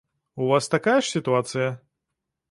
У вас такая ж сітуацыя?